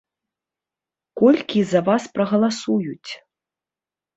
Колькі за вас прагаласуюць?